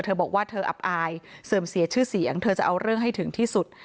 เธอบอกว่าเธออับอายเสื่อมเสียชื่อเสียงเธอจะเอาเรื่องให้ถึงที่สุด